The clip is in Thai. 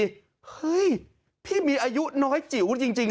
เฮ้ยพี่มีอายุน้อยจิ๋วจริง